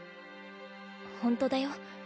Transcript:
本当だよ。